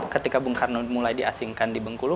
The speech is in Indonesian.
ketika bung karno mulai diasingkan di bengkulu